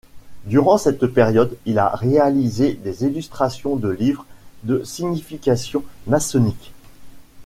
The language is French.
Durant cette période, il a réalisé des illustrations de livres de signification maçonnique.